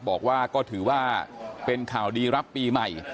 บอกว่าก็ถือว่าเป็นข่าวดีรับปีใหม่